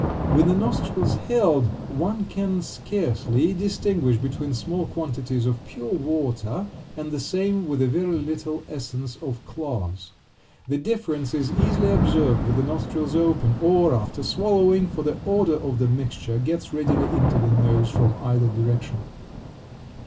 With the nostrils held one can scarcely distinguish between small quantities of pure water and the same with a very little essence of cloves. The difference is easily observed with the nostrils open or after swallowing, for the odor of the mixture gets readily into the nose from either direction.